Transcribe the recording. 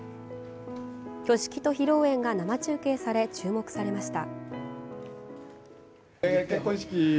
挙式と披露宴が生中継され注目されました。